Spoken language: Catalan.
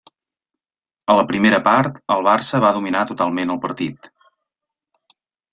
A la primera part, el Barça va dominar totalment el partit.